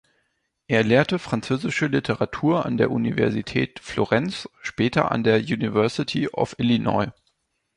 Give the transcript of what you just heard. Er lehrte Französische Literatur an der Universität Florenz, später an der University of Illinois.